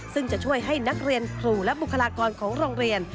ซึ่งจะช่วยให้นักเรียนครูและบุคลากรของโรงเรียน